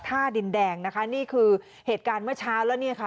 ท่าดินแดงนะคะนี่คือเหตุการณ์เมื่อเช้าแล้วเนี่ยค่ะ